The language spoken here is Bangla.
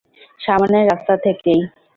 সামনের রাস্তা থেকেই।